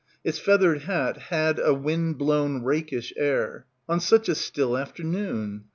Its feathered hat had a wind blown rakish air. On such a still afternoon.